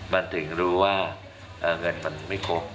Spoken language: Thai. มันถึงรู้ว่าเงินมันไม่ครบ